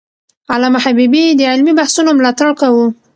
علامه حبيبي د علمي بحثونو ملاتړ کاوه.